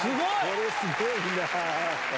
これすごいな。